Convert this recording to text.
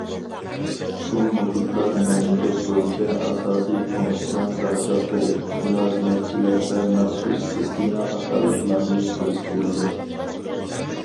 بۇ مۇھىتلار، مەملىكەت بويىچە ئاساسىي پونكىتنىڭ زاپچاسلىرى، مۇلازىمەتچىلەر ۋە مەخسۇس سىستېما قاتارلىقلارنى كۆرسىتىدىكەن.